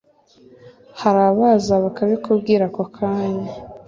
Hari abaza bakabikubwira ako kanya